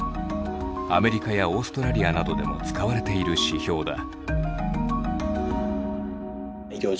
アメリカやオーストラリアなどでも使われている指標だ。